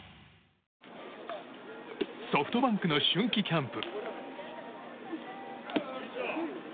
ソフトバンクの春季キャンプ。